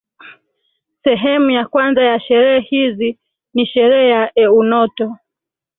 Sehemu ya kwanza ya sherehe hizi ni sherehe ya Eunoto